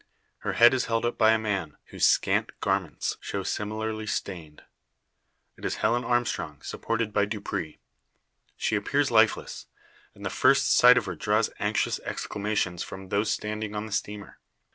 Her head is held up by a man, whose scant garments show similarly stained. It is Helen Armstrong, supported by Dupre. She appears lifeless, and the first sight of her draws anxious exclamations from those standing on the steamer.